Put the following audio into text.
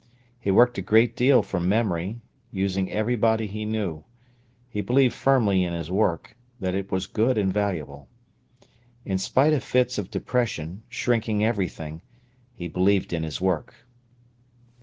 He worked a great deal from memory, using everybody he knew. He believed firmly in his work, that it was good and valuable. In spite of fits of depression, shrinking, everything, he believed in his work.